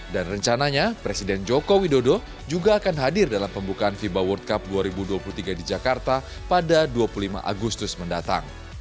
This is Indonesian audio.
dan rencananya presiden joko widodo juga akan hadir dalam pembukaan fiba world cup dua ribu dua puluh tiga di jakarta pada dua puluh lima agustus mendatang